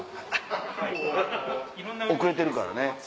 遅れてるからね。